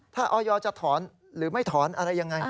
ถ้าออยจะถอนหรือไม่ถอนอะไรยังไง